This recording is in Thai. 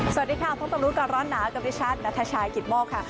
สวัสดีค่ะพร้อมต่อรู้กับร้อนหนากับดิฉันณฑชัยกิตมกค่ะ